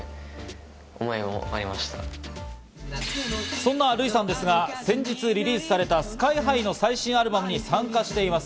そんなＲＵＩさんですが先日リリースされたＳＫＹ−ＨＩの最新アルバムに参加しています。